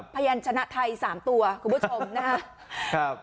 พยานชนะไทย๓ตัวคุณผู้ชมนะครับ